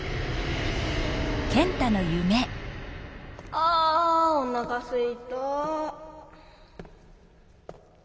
あおなかすいた。